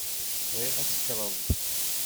Bɣiɣ ad tekkreḍ.